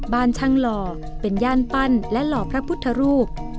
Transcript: บ้านช่างหล่อเป็นย่านปั้นและหล่อพระพุทธรูป